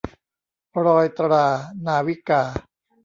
รอยตรา - นาวิกา